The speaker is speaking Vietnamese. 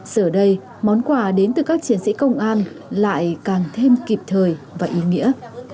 giờ đây món quà đến từ các chiến sĩ công an lại càng thêm kịp thời và ý nghĩa